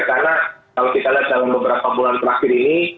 karena kalau kita lihat dalam beberapa bulan terakhir ini